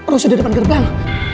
rusudah depan gerbang